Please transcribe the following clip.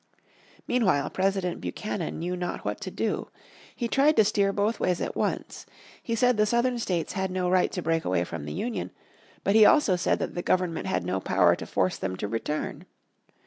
Meanwhile President Buchanan knew not what to do. He tried to steer both ways at once. He said the Southern States had no right to break away from the Union, but he also said that the Government had no power to force them to return.